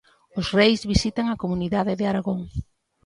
Os reis visitan a comunidade de Aragón.